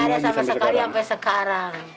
tidak ada sama sekali sampai sekarang